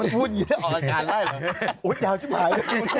มันพูดอย่างนี้ออกอันการได้เหรออุ้ยยาวใช่มั้ย